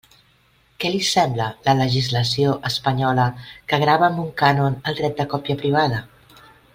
Què li sembla la legislació espanyola, que grava amb un cànon el dret de còpia privada?